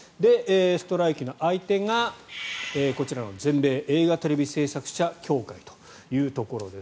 ストライキの相手が、こちらの全米映画テレビ制作者協会というところです。